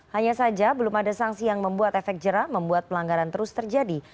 hanya saja belum ada sanksi yang membuat efek jerah membuat pelanggaran terus terjadi